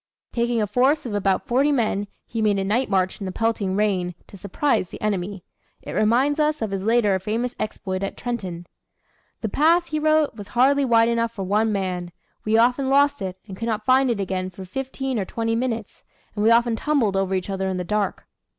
Taking a force of about forty men he made a night march in the pelting rain, to surprise the enemy. It reminds us of his later famous exploit at Trenton. "The path," he wrote, "was hardly wide enough for one man. We often lost it, and could not find it again for fifteen or twenty minutes, and we often tumbled over each other in the dark."